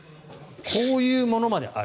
こういうものまである。